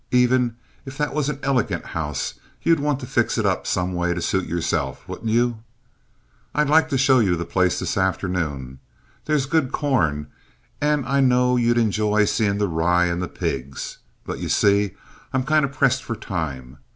Even if that was an elegant house, you'd want to fix it up some way to suit yourself, wouldn't you? I'd like to show you the place this afternoon. There's good corn, and I know you'd enjoy seeing the rye and the pigs. But, you see, I'm kinder pressed for time.